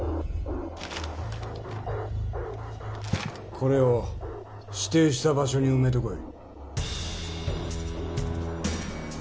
これを指定した場所に埋めてこい。